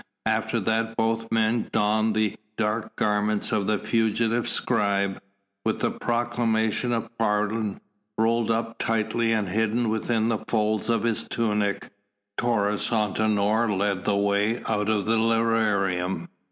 After that both the men donned the dark garments of the fugitive scribe. With the proclamation of pardon rolled up tightly and hidden within the folds of his tunic, Taurus Antinor led the way out of the lararium.